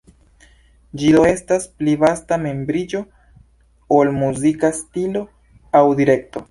Ĝi do estas pli vasta membriĝo ol muzika stilo aŭ direkto.